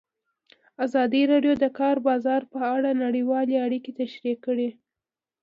ازادي راډیو د د کار بازار په اړه نړیوالې اړیکې تشریح کړي.